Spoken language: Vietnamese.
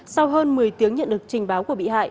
sau hơn một mươi tiếng nhận được trình báo của bị hại